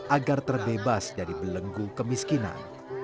agar terbebas dari belenggu kemiskinan